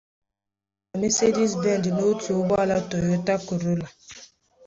otu ụgbọala 'Mercedes Benz' na otu ụgbọala 'Toyota Corolla'.